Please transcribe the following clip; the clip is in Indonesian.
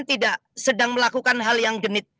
tidak sedang melakukan hal yang genit